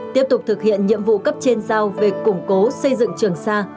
tiếp tục thực hiện nhiệm vụ cấp trên giao về củng cố xây dựng trường sa